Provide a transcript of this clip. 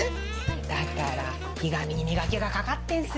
だからひがみに磨きがかかってんすよ！